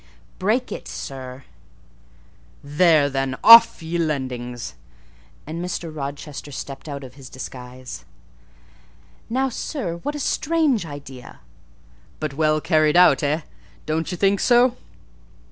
"Break it, sir." "There, then—'Off, ye lendings!'" And Mr. Rochester stepped out of his disguise. "Now, sir, what a strange idea!" "But well carried out, eh? Don't you think so?"